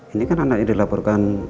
ini kan anak yang dilaporkan